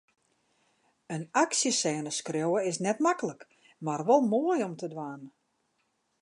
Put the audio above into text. In aksjesêne skriuwe is net maklik, mar wol moai om te dwaan.